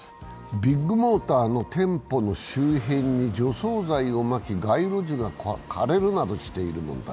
ビッグモーターの店舗の周辺に除草剤をまき街路樹が枯れるなどしている問題。